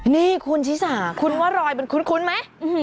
นี่คุณชิสาคุณว่ารอยมันคุ้นไหม